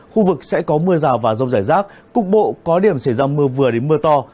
khu vực sẽ có mưa rào và rông rải rác cục bộ có điểm xảy ra mưa vừa đến mưa to